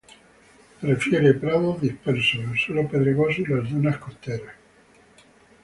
Prefiere prados dispersos, el suelo pedregoso y las dunas costeras.